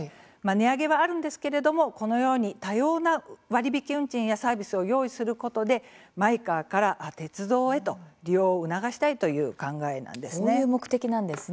値上げはあるんですけれどもこのように多様な割引運賃やサービスを用意することでマイカーから鉄道へと利用を促したいという考えなんです。